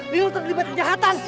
lino terlibat kejahatan